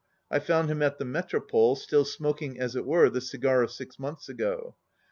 I found him at the Metropole, still smoking as it were the cigar of six months ago.